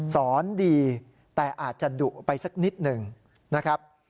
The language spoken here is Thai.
สอนดีแต่อาจจะดุไปสักนิดหนึ่งนะครับ